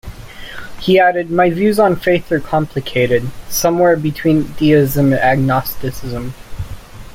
He added: My views on faith are complicated-somewhere between deism and agnosticism.